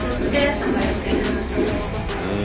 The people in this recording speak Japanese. うん。